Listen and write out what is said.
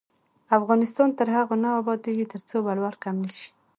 افغانستان تر هغو نه ابادیږي، ترڅو ولور کم نشي.